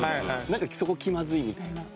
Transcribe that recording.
なんかそこ気まずいみたいな。